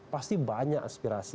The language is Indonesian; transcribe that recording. pasti banyak aspirasi